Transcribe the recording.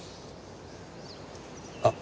あっ